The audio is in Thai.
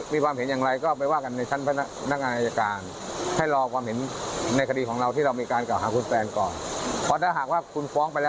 มันจะทำให้คดีมีปัญหาทันที